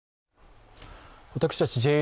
私たち